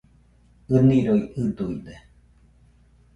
ɨniroi ɨduide